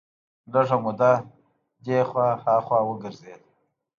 لږه موده دې خوا ها خوا وګرځېد.